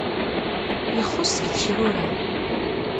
Ixuṣṣ deg tekrura.